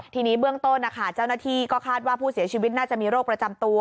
ทีนี้เบื้องต้นนะคะเจ้าหน้าที่ก็คาดว่าผู้เสียชีวิตน่าจะมีโรคประจำตัว